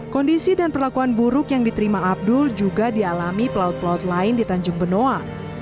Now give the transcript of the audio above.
kondisi dan perlakuan buruk yang diterima abdul juga dialami pelaut pelaut lain di tanjung benoa